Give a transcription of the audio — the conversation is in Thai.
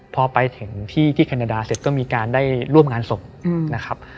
พอไปถึงที่แคนาดาเสร็จก็มีการได้ร่วมงานศพนะครับ